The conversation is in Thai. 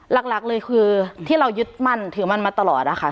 หลักเลยคือที่เรายึดมั่นถือมั่นมาตลอดนะคะ